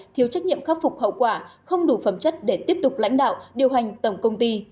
thiếu trách nhiệm khắc phục hậu quả không đủ phẩm chất để tiếp tục lãnh đạo điều hành tổng công ty